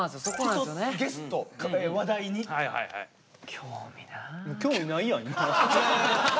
興味ないやん。